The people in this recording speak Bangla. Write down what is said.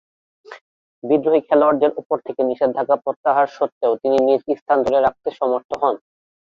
বিদ্রোহী খেলোয়াড়দের উপর থেকে নিষেধাজ্ঞা প্রত্যাহার স্বত্ত্বেও তিনি নিজ স্থান ধরে রাখতে সমর্থ হন।